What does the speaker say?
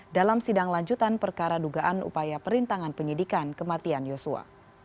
dalam sidang lanjutan perkara dugaan upaya perintangan penyidikan kematian yosua